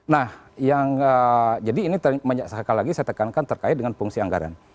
nah yang jadi ini sekali lagi saya tekankan terkait dengan fungsi anggaran